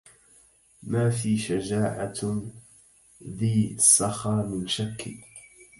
ما في شجاعة ذى السخا من شك